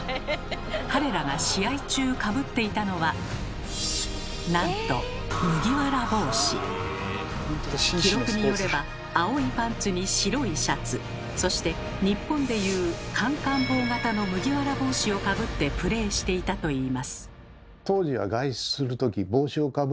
彼らが試合中かぶっていたのはなんと記録によれば青いパンツに白いシャツそして日本でいうカンカン帽型の麦わら帽子をかぶってプレーしていたといいます。